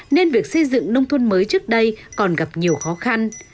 nên việc xây dựng nông thôn mới trước đây còn gặp nhiều khó khăn